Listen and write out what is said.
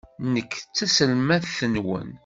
Nekk d taselmadt-nwen.